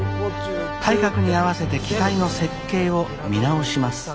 体格に合わせて機体の設計を見直します。